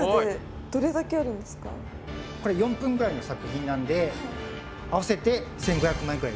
これ４分ぐらいの作品なんで合わせて１５００枚ぐらいです。